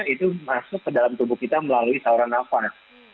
itu masuk ke dalam tubuh kita melalui seorang napas